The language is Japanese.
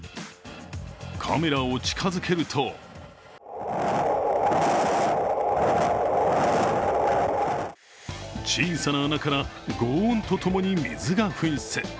カメラを近づけると小さな穴から、ごう音とともに水が噴出。